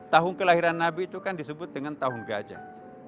tahun kelahiran nabi itu kan disebut dengan tahun gajah